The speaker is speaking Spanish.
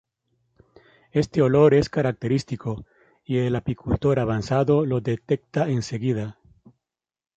Este olor es característico y el apicultor avanzado lo detecta enseguida.